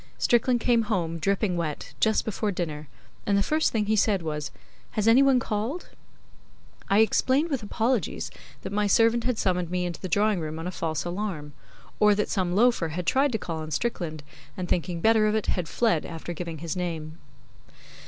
Strickland came home, dripping wet, just before dinner, and the first thing he said was. 'Has any one called?' I explained, with apologies, that my servant had summoned me into the drawing room on a false alarm; or that some loafer had tried to call on Strickland, and thinking better of it had fled after giving his name.